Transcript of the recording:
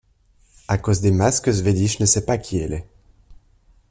À cause des masques Zvezdich ne sait pas qui elle est.